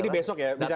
jadi besok ya